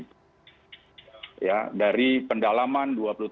perkara peribadi adalah mungkin agap metro yang memanuhi perjuangan murgundi